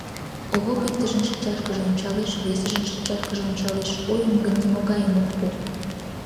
Овоп иктыжын шинчашкыже ончалеш, весыжын шинчашкыже ончалеш, ойым гын нимогайым ок пу.